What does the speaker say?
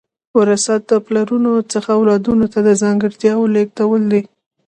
وراثت د پلرونو څخه اولادونو ته د ځانګړتیاوو لیږدول دي